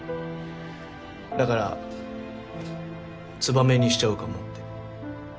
だからつばめにしちゃうかもって。